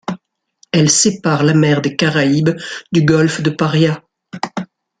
Elle sépare la mer des Caraïbes du golfe de Paria.